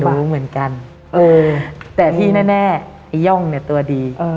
รู้เหมือนกันแต่ที่แน่ไอ้ย่องเนี่ยตัวดี